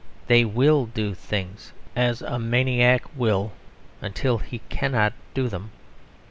They will do things, as a maniac will, until he cannot do them.